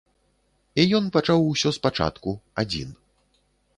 І ён пачаў усё спачатку, адзін.